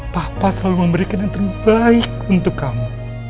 papa selalu memberikan yang terbaik untuk kamu